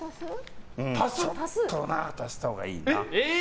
ちょっと足したほうがいいかな。